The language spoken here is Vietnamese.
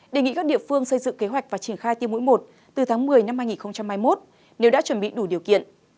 đề nghị các địa phương xây dựng kế hoạch và triển khai tiêm mũi một từ tháng một mươi năm hai nghìn hai mươi một nếu đã chuẩn bị đủ điều kiện